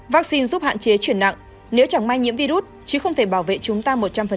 vaccine giúp hạn chế chuyển nặng nếu chẳng may nhiễm virus chứ không thể bảo vệ chúng ta một trăm linh